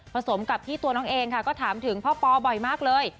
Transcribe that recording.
สมกับที่ตัวน้องเองค่ะก็ถามถึงพ่อปอบ่อยมากเลย